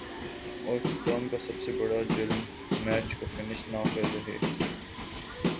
اور کپتان کا سب سے بڑا"جرم" میچ کو فنش نہ کر ہے